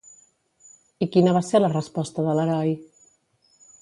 I quina va ser la resposta de l'heroi?